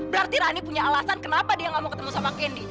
berarti rani punya alasan kenapa dia gak mau ketemu sama kendi